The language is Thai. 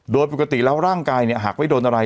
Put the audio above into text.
โดยปกติแล้วร่างกายหากไม่โดนอะไร